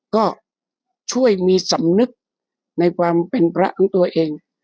ก็ช่วยมีสำนึกในความเป็นพระของตัวเอง